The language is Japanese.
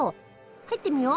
入ってみよう！